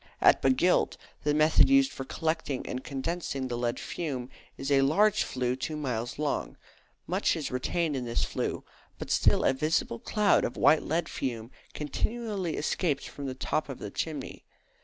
At Bagillt, the method used for collecting or condensing the lead fume is a large flue two miles long; much is retained in this flue, but still a visible cloud of white lead fume continually escapes from the top of the chimney.